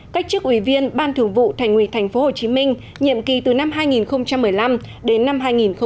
cách chức ủy viên ban thường vụ thành ủy tp hcm nhận kỳ từ năm hai nghìn một mươi năm đến năm hai nghìn hai mươi